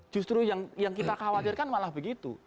justru yang kita khawatirkan malah begitu